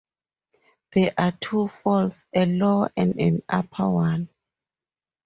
There are two falls, a lower and an upper one.